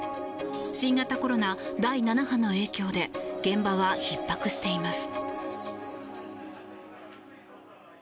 新型コロナ第７波の影響で現場はひっ迫しています。